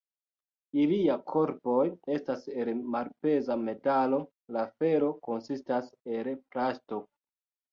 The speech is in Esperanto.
Ilia korpoj estas el malpeza metalo, la felo konsistas el plasto.